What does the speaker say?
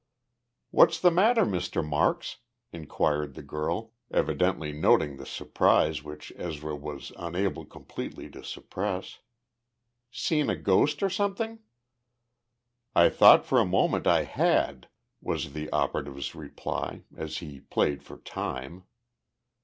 "What's the matter, Mr. Marks?" inquired the girl, evidently noting the surprise which Ezra was unable completely to suppress. "Seen a ghost or something?" "I thought for a moment I had," was the operative's reply, as he played for time.